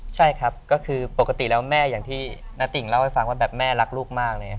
ใช่ครับก็คือปกติแล้วแม่อย่างที่ณติ่งเล่าให้ฟังว่าแบบแม่รักลูกมากเลย